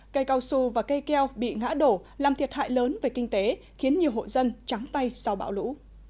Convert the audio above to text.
cây cao su và cây keo bị ngã đổ làm thiệt hại lớn về kinh tế khiến nhiều hộ dân trắng tay sau bão lũ